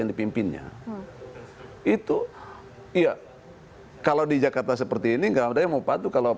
yang dipimpinnya itu iya kalau di jakarta seperti ini enggak ada yang mau patuh kalau